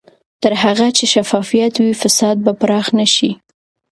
تر هغه چې شفافیت وي، فساد به پراخ نه شي.